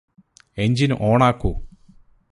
engine ഓണാക്കു